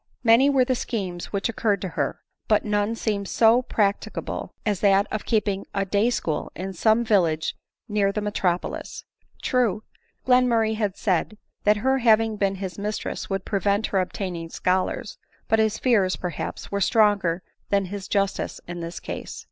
Many were the schemes which occurred to her ; but Hone seemed so practicable as that of keeping a day school in some village near the metropolis. True, Glen murray had said, that her having been his mistress would prevent her obtaining scholars ; but his fears, perhaps, were stronger than his justice in this case.